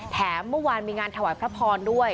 เมื่อวานมีงานถวายพระพรด้วย